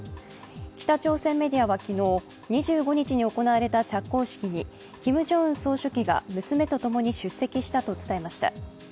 北朝鮮メディアは昨日、２５日に行われた着工式にキム・ジョンウン総書記が娘とともに出席したと伝えました。